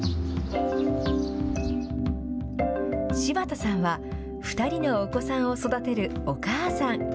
柴田さんは、２人のお子さんを育てるお母さん。